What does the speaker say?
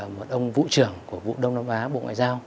một ông vụ trưởng của vụ đông nam á bộ ngoại giao